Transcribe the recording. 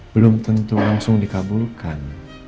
belum tentu langsung dikabulkan